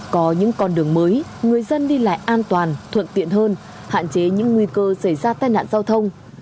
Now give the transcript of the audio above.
có những con đường mới người dân đi lại an toàn thuận tiện hơn hạn chế những nguy cơ xảy ra tai nạn giao thông